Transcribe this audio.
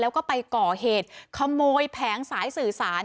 แล้วก็ไปก่อเหตุขโมยแผงสายสื่อสาร